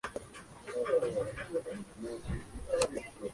El grupo realizó varias grabaciones.